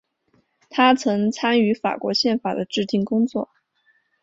他曾参与法国宪法的制订工作。